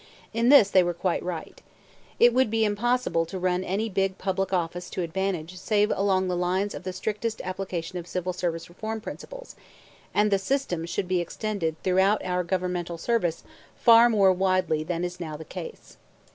In this they were quite right. It would be impossible to run any big public office to advantage save along the lines of the strictest application of Civil Service Reform principles; and the system should be extended throughout our governmental service far more widely than is now the case.